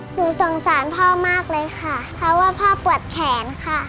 หนูสงสารพ่อมากเลยค่ะเพราะว่าพ่อปวดแขนค่ะ